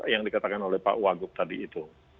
yang dikatakan oleh pak wagub tadi itu